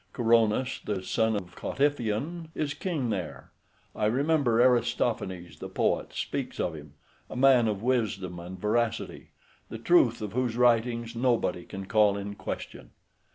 Coronus, the son of Cottiphion, is king there. I remember Aristophanes, {98b} the poet, speaks of him, a man of wisdom and veracity, the truth of whose writings nobody can call in question.